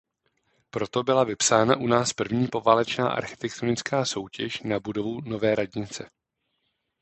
Proto byla vypsána u nás první poválečná architektonická soutěž na budovu nové radnice.